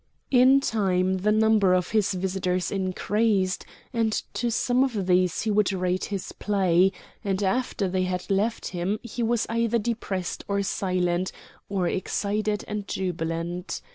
In time the number of his visitors increased, and to some of these he would read his play; and after they had left him he was either depressed and silent or excited and jubilant.